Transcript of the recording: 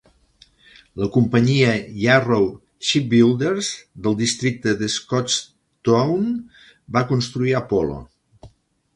La companyia Yarrow Shipbuilders del districte de Scotstoun va construir "Apollo".